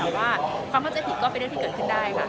แต่ว่าความเข้าใจผิดก็เป็นเรื่องที่เกิดขึ้นได้ค่ะ